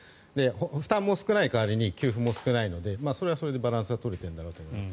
負担も少ない代わりに給付も少ないので、それはそれでバランスが取れているんだろうと思います。